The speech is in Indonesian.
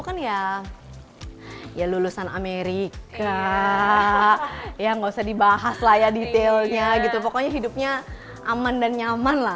kan ya lulusan amerika ya nggak usah dibahas lah ya detailnya gitu pokoknya hidupnya aman dan nyaman lah